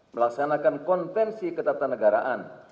melaksanakan konvensi ketatanegaraan